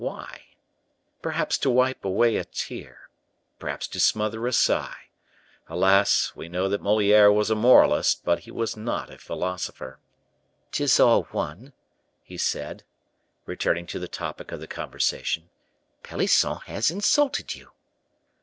Why? Perhaps to wipe away a tear, perhaps to smother a sigh. Alas! we know that Moliere was a moralist, but he was not a philosopher. "'Tis all one," he said, returning to the topic of the conversation, "Pelisson has insulted you."